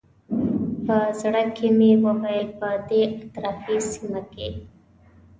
په زړه کې مې وویل په دې اطرافي سیمه کې.